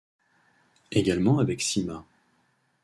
Également avec Sima.